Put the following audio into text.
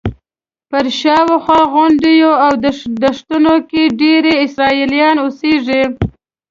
پر شاوخوا غونډیو او دښتو کې ډېری یې اسرائیلیان اوسېږي.